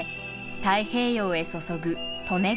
太平洋へ注ぐ利根川。